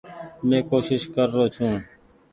مين ڪوشش ڪر رو ڇون ۔